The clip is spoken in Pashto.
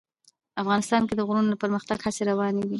افغانستان کې د غرونه د پرمختګ هڅې روانې دي.